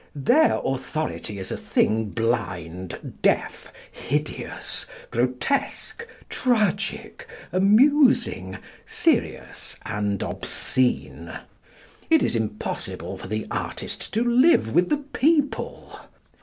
Their authority is a thing blind, deaf, hideous, grotesque, tragic, amusing, serious, and obscene. It is impossible for the artist to live with the People.